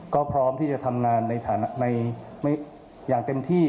ก็พร้อมที่จะทำงานในฐานะอย่างเต็มที่